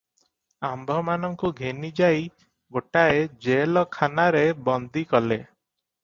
ଆମ୍ଭମାନଙ୍କୁ ଘେନିଯାଇ ଗୋଟାଏ ଜେଲଖାନାରେ ବନ୍ଦୀ କଲେ ।